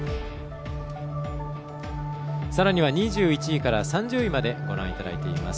さらには２１位から３０位までご覧いただいています。